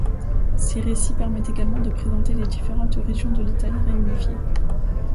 Ces récits permettent également de présenter les différentes régions de l'Italie réunifiée.